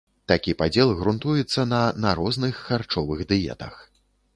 Такі падзел грунтуецца на на розных харчовых дыетах.